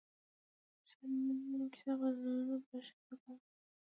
د سیند کیسه بدلونونه په ښه توګه انځوروي.